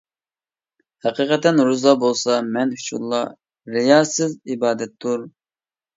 ھەقىقەتەن روزا بولسا، مەن ئۈچۈنلا رىياسىز ئىبادەتتۇر.